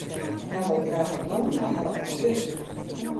Hja wol graach werom nei har âldelju.